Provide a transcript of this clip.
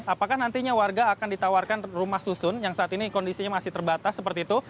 apakah nantinya warga akan ditawarkan rumah susun yang saat ini kondisinya masih terbatas seperti itu